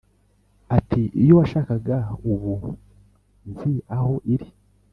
Ati: "Iyo washakaga ubu nzi aho iri,